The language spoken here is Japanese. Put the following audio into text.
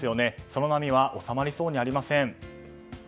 その波は収まりそうにありません。